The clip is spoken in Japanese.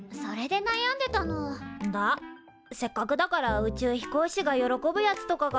せっかくだから宇宙飛行士が喜ぶやつとかがいんだけっどよ。